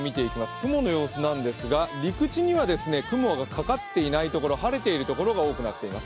雲の様子なんですが、陸地には雲がかかっていない所晴れているところが多くなっています。